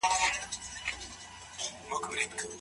سختۍ ته ځان چمتو کړه.